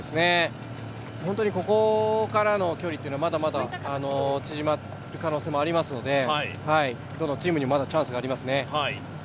本当にここからの距離というのはまだまだ縮まる可能性もありますのでどのチームにもまだチャンスがありますね。